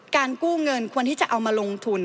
กู้เงินควรที่จะเอามาลงทุน